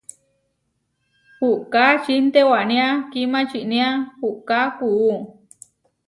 Puʼká čintewaniá kímačinía puʼkákuú.